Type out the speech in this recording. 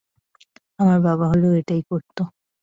আমার বাবা হলেও এটাই করতো।